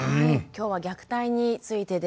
今日は虐待についてです。